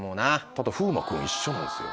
ただ風磨君一緒なんですよ。